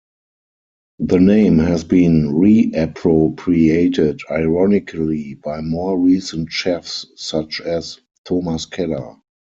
The name has been reappropriated ironically by more recent chefs such as Thomas Keller.